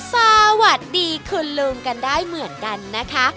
สวัสดีคุณลุงกันได้เหมือนกันนะคะ